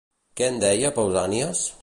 Què en deia Pausànias?